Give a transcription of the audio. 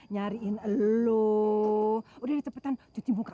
nyariin elo udah cepetan cuci muka